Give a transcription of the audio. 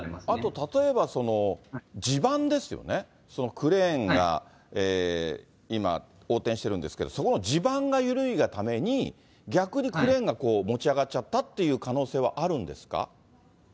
クレーンが今、横転してるんですけど、そこの地盤が緩いがために、逆にクレーンが持ち上がっちゃったという可能性はあるんですか？